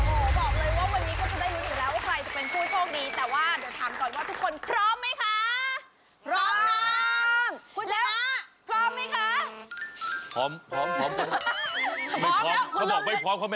โอ้โฮบอกเลยว่าวันนี้ก็จะได้ยินอยู่แล้วว่าใครจะเป็นผู้ช่วยดี